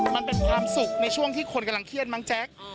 มันเป็นความสุขในช่วงที่คนกำลังเครียดมั้งแจ๊ค